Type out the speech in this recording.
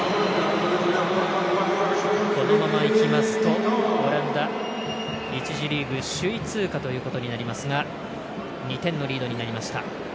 このままいきますとオランダ１次リーグ、首位通過ということになりますが２点のリードになりました。